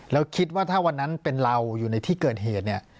แล้วคิดว่าถ้าวันนั้นเป็นเราอยู่ในที่เกิดเหตุเนี่ย